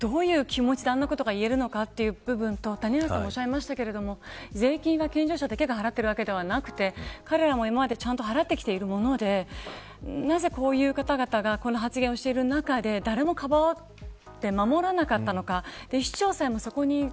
現場にいる方々のどういう気持ちであんなことが言えるのか、という部分と谷原さんもおっしゃいましたけど税金は健常者だけが払っているわけではなくて彼らも今までちゃんと払ってきているわけでなぜ、こういう方々がこういう発言をしている中で誰もかばって守らなかったのか。